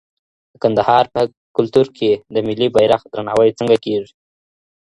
د کندهار په کلتور کي د ملي بیرغ درناوی څنګه کيږي؟